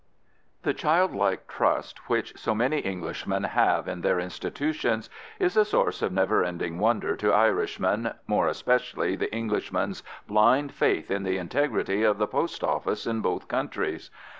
The childlike trust which so many Englishmen have in their institutions is a source of never ending wonder to Irishmen, more especially the Englishman's blind faith in the integrity of the Post Office in both countries.